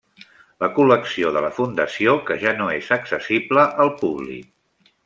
La col·lecció de la fundació que ja no és accessible al públic.